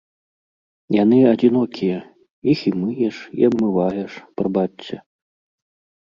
Яны адзінокія, іх і мыеш, і абмываеш, прабачце.